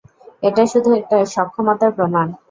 এটা শুধু একটা সক্ষমতার প্রমাণ।